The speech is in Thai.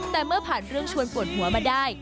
แต่เมื่อผ่านเรื่องชวนปวดหัวมาได้